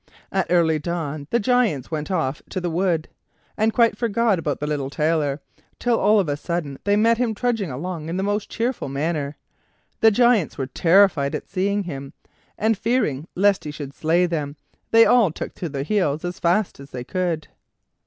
At early dawn the Giants went off to the wood, and quite forgot about the little Tailor, till all of a sudden they met him trudging along in the most cheerful manner. The Giants were terrified at seeing him, and, fearing lest he should slay them, they all took to their heels as fast as they could.